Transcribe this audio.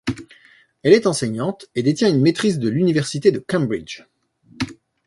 Elle est enseignante et détient une maîtrise de l'Université de Cambridge.